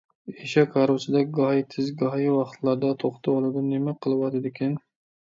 ئېشەك ھارۋىسىدەك گاھى تېز گاھى ۋاقىتلاردا توختىۋالىدۇ. نېمە قىلىۋاتىدىكىن؟